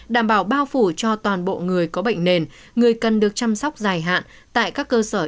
đảm bảo bao phủ cho toàn bộ người có bệnh nền người cần được chăm sóc dài hạn tại các cơ sở